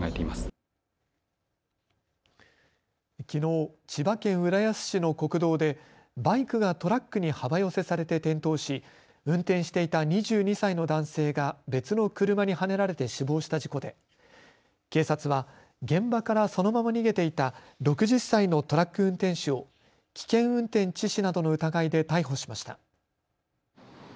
きのう、千葉県浦安市の国道でバイクがトラックに幅寄せされて転倒し運転していた２２歳の男性が別の車にはねられて死亡した事故で警察は現場からそのまま逃げていた６０歳のトラック運転手を危険運転致死などの疑いで逮捕しました。